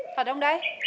thật không đấy